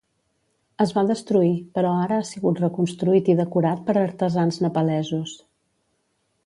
Es va destruir, però ara ha sigut reconstruït i decorat per artesans nepalesos.